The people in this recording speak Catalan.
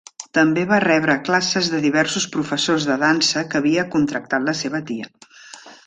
També va rebre classes de diversos professors de dansa que havia contractat la seva tia.